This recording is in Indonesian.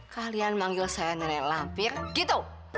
kalian manggil saya nenek lampir gitu